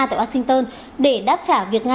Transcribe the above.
tại washington để đáp trả việc nga